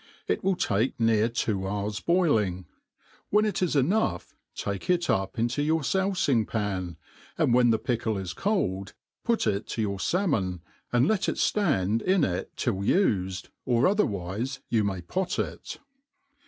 |t will take near two hours boiling. When it is enough, take it up into your fou fing pan, and when the pi^ide is cold, put it to your falmon^ and let it ftand in it till ufed, or otherwife you may pot it.